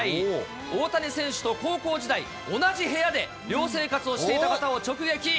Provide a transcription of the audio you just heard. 大谷選手と高校時代、同じ部屋で寮生活をしていた方を直撃。